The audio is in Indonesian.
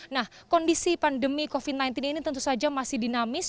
nah kondisi pandemi covid sembilan belas ini tentu saja masih dinamis